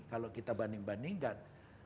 kalau kita banding bandingkan